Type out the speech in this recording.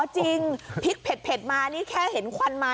จริงพริกเผ็ดมานี่แค่เห็นควันมา